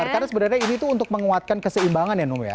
karena sebenarnya ini tuh untuk menguatkan keseimbangan ya nung ya